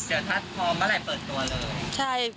เศร้าทัชพรรคเมื่อไหร่เปิดตัวเลย